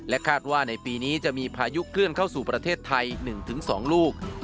คาดว่าในปีนี้จะมีพายุเคลื่อนเข้าสู่ประเทศไทย๑๒ลูก